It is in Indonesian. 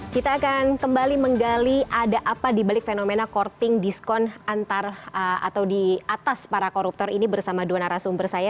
kita akan kembali menggali ada apa dibalik fenomena courting diskon antar atau di atas para koruptor ini bersama dua narasumber saya